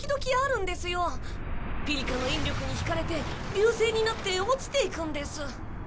ピリカの引力に引かれて流星になって落ちていくんです。